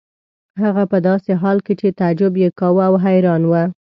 هغه په داسې حال کې چې تعجب یې کاوه او حیران و.